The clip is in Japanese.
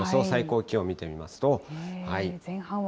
最高気温見てみますと。